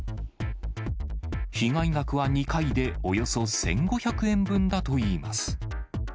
被害額は２回でおよそ１５００円分だといいます。